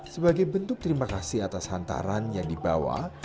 sebagai bentuk terima kasih atas hantaran yang dibawa